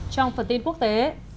trong phần tin quốc tế